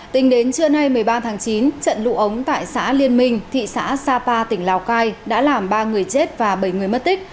tính đến trưa nay một mươi ba tháng chín trận lụ ống tại xã liên minh thị xã sapa tỉnh lào cai đã làm ba người chết và bảy người mất tích